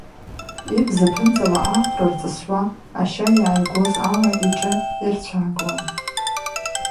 Ибз аԥынҵала ахәра рҵысуа ашьа иааигоз ала иҿы ирцәаакуан.